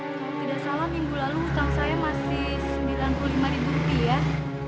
kalau tidak salah minggu lalu utang saya masih sembilan puluh lima ribu rupiah